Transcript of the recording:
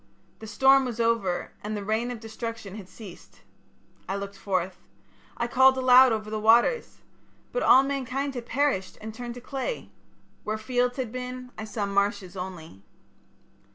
The storm was over and the rain of destruction had ceased. I looked forth. I called aloud over the waters. But all mankind had perished and turned to clay. Where fields had been I saw marshes only.